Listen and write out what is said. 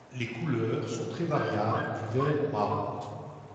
Les couleurs sont très variables du vert au marron.